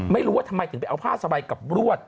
ไม่รู้ว่าทำไมถึงไปเอาผ้าสบายกับรวด